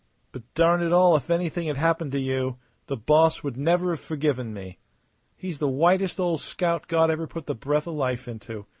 But darn it all, if anything had happened to you the boss would never have forgiven me. He's the whitest old scout God ever put the breath of life into.